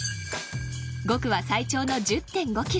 ５区は最長の１０．５キロ。